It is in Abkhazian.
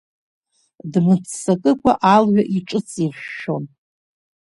Дмыццакыкәа алҩа иҿыҵиршәшәон.